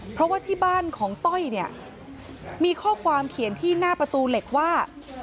เพราะว่าที่บ้านของต้อยเนี่ยมีข้อความเขียนที่หน้าประตูเหล็กว่า